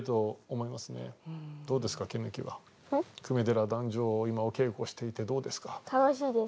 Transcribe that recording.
粂寺弾正を今お稽古していてどうですか？